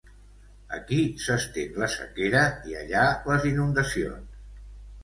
Aquí s'estén la sequera i allà, les inundacions